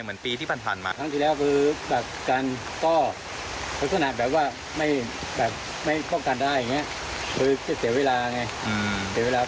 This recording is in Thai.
หือจะเสียเวลาเปล่า